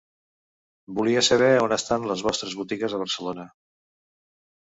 Volia saber a on estan les vostres botigues a Barcelona.